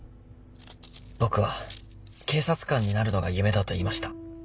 僕は警察官になるのが夢だと言いました。